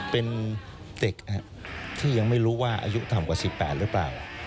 เป็นเด็กที่ยังไม่รู้ว่าอายุต่ำกว่า๑๘หรือเปล่า